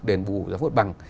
đền vụ giám hội bằng